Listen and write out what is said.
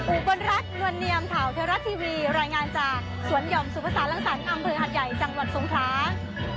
อุบลรัฐนวลเนียมข่าวเทวรัฐทีวีรายงานจากสวนหย่อมสุภาษาลังสรรค์อำเภอหัดใหญ่จังหวัดทรงคลา